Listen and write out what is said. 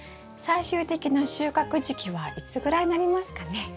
最終的な収穫時期はいつぐらいになりますかね？